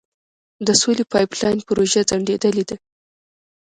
د سولې پایپ لاین پروژه ځنډیدلې ده.